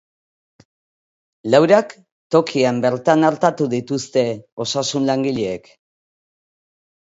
Laurak tokian bertan artatu dituzte osasun langileek.